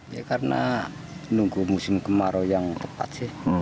ya karena nunggu musim kemarau yang tepat sih